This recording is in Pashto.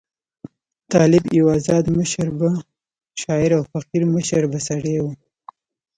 طالب یو آزاد مشربه شاعر او فقیر مشربه سړی وو.